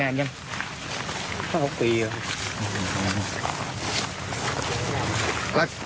แล้วเลยไม่พอใจ